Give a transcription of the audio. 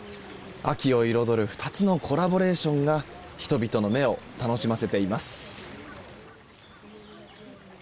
秋を彩る２つのコラボレーションが人々の目を楽しませています。